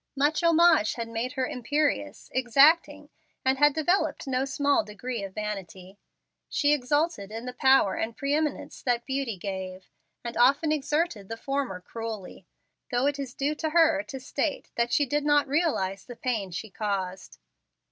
Much homage had made her imperious, exacting, and had developed no small degree of vanity. She exulted in the power and pre eminence that beauty gave, and often exerted the former cruelly, though it is due to her to state that she did not realize the pain she caused.